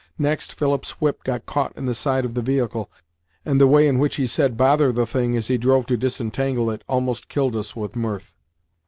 Next, Philip's whip got caught in the side of the vehicle, and the way in which he said, "Bother the thing!" as he drove to disentangle it almost killed us with mirth.